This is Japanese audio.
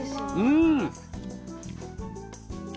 うん。